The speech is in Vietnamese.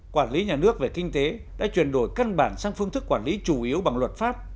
quản lý nhà nước về kinh tế đã chuyển đổi căn bản sang phương thức quản lý chủ yếu bằng luật pháp